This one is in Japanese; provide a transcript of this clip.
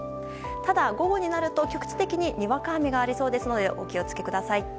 ただ、午後になると局地的ににわか雨がありそうですのでお気を付けください。